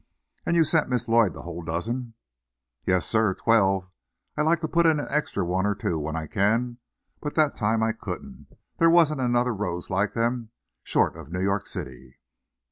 "And you sent Miss Lloyd the whole dozen?" "Yes, sir; twelve. I like to put in an extra one or two when I can, but that time I couldn't. There wasn't another rose like them short of New York City."